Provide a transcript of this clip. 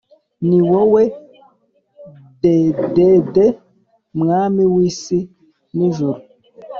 Niwowe dedede mwami w’isi n’ijuru